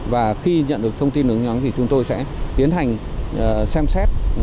và khi nhận được thông tin nướng nhóng thì chúng tôi sẽ tiến hành xem xét